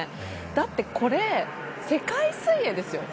だって、世界水泳ですよ？